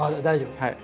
大丈夫。